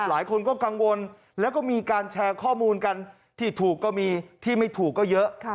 หลายคนก็กังวลแล้วก็มีการแชร์ข้อมูลกันที่ถูกก็มีที่ไม่ถูกก็เยอะ